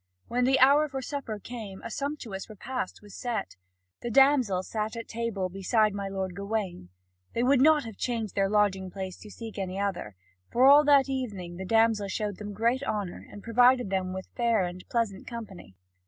When the hour for supper came, a sumptuous repast was set. The damsel sat at table beside my lord Gawain. They would not have changed their lodging place to seek any other, for all that evening the damsel showed them gear honour, and provided them with fair and pleasant company.